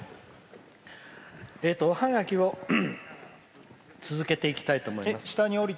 おハガキを続けていきたいと思います。